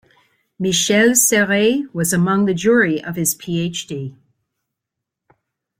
Michel Serres was among the jury of his Ph.D.